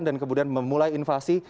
dan kemudian memulai invasi